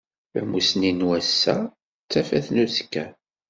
Tamusni n wass-a d tafat n uzekka